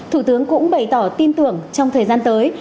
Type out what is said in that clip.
thủ tướng cũng bày tỏ tin tưởng trong thời gian tới